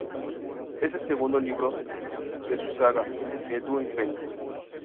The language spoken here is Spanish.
Es el segundo libro de su saga El dúo imperio.